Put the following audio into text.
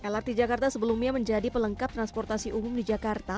lrt jakarta sebelumnya menjadi pelengkap transportasi umum di jakarta